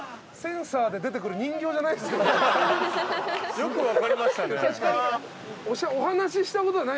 よく分かりましたね。